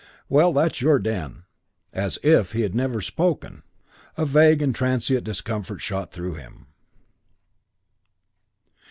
"Well, that's your den." As if he had never spoken! A vague and transient discomfort shot through him.